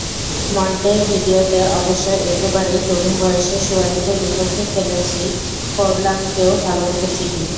মন্টেভিডিওতে অবশ্য একেবারেই তরুণ বয়সে সুয়ারেজের বিপক্ষে খেলেছি, ফোরলানকেও ভালোভাবে চিনি।